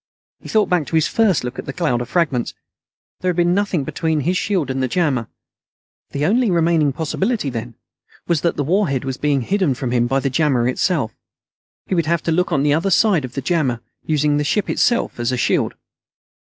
He thought back to his first look at the cloud of fragments. There had been nothing between his shield and the jammer. The only remaining possibility, then, was that the warhead was being hidden from him by the jammer itself. He would have to look on the other side of the jammer, using the ship itself as a shield.